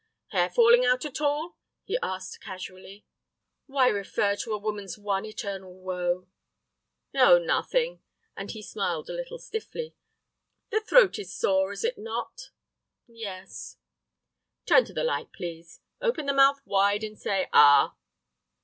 "Hair falling out at all?" he asked, casually. "Why refer to a woman's one eternal woe?" "Oh, nothing," and he smiled a little stiffly; "the throat is sore, is it not?" "Yes." "Let me look. Turn to the light, please. Open the mouth wide, and say 'ah.